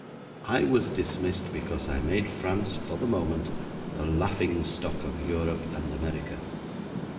I was dismissed because I made France for the moment the laughing stock of Europe and America.